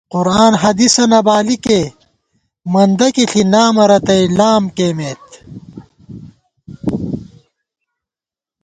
قرآن حدیثہ نہ بالِکے، مندہ کِی ݪی نامہ رتئ لام کېئیمېت